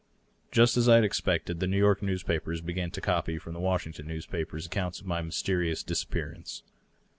Just as I had expected, the New York newspapers b^an to copy from the Washington newspapers accounts of my mys terious disappearance.